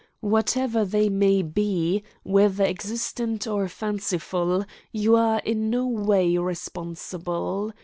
Whatever they may be, whether existent or fanciful, you are in no way responsible.